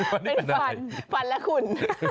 เป็นฟันฟันและขุน